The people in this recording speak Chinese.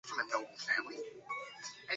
我们很脆弱